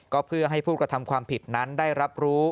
ก็เพื่อให้ผู้กระทำความผิดนั้นได้รับรู้